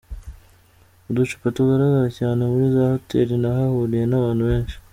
Uducupa tugaragara cyane muri za hotel n’ahahuriye abantu benshi.